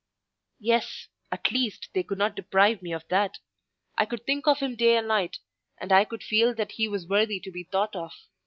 Yes, at least, they could not deprive me of that: I could think of him day and night; and I could feel that he was worthy to be thought of.